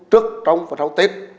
trước trong và sau tết